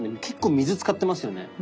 結構水使ってますよね？